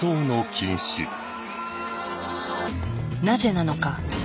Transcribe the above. なぜなのか。